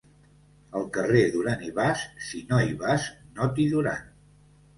Al carrer Duran i Bas, si no hi vas no t'hi duran.